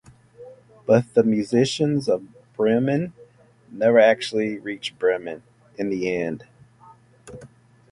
But The Musicians of Bremen never actually reach Bremen in the end.